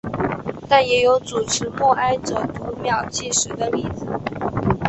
但也有主持默哀者读秒计时的例子。